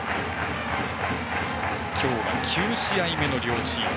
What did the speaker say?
今日が９試合目の両チーム。